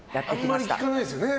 あんまり聞かないですよね。